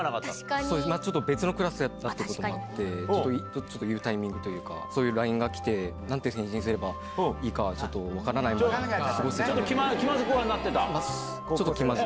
そうですね、ちょっと別のクラスだったということもあって、ちょっというタイミングというか、そういうＬＩＮＥが来て、なんて返信すればいいか分からないまま過ごしてたので。